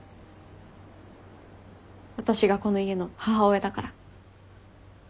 私がこの家の母親だから。